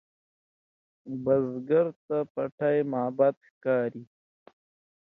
بزګر ته پټي معبد ښکاري